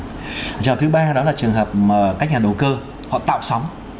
trường hợp thứ ba đó là trường hợp mà các nhà đầu cơ họ tạo sóng